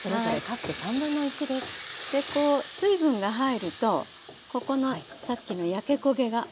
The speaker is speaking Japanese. こう水分が入るとここのさっきの焼け焦げが落ちますよね。